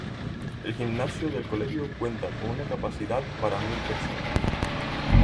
El gimnasio del Colegio cuenta con una capacidad para mil personas.